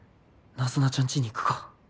ナズナちゃんちに行くか？